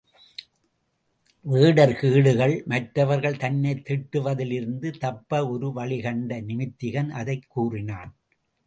வேடர் கேடுகள் மற்றவர்கள் தன்னைத் திட்டுவதிலிருந்து தப்ப ஒரு வழி கண்ட நிமித்திகன், அதைக் கூறினான்.